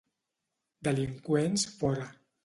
Delinqüents fora.